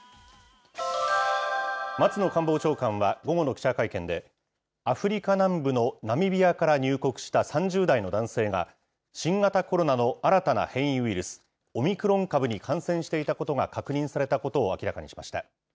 松野官房長官は午後の記者会見で、アフリカ南部のナミビアから入国した３０代の男性が、新型コロナの新たな変異ウイルス、オミクロン株に感染していたことが確認されたことを明らかにしました。